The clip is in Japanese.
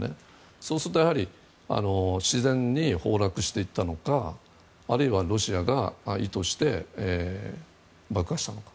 そうすると、やはり自然に崩落していったのかあるいはロシアが意図して爆破したのか。